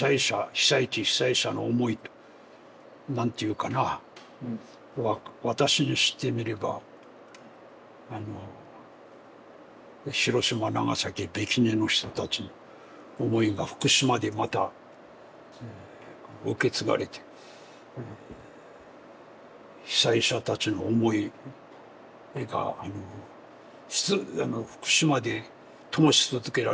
被災地被災者の思いと何ていうかな私にしてみればあのヒロシマナガサキビキニの人たちの思いが福島でまた受け継がれて被災者たちの思いがあの福島でともし続けられるという。